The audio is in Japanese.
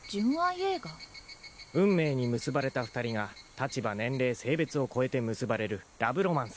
運命に結ばれた２人が立場年齢性別を超えて結ばれるラブロマンスだ。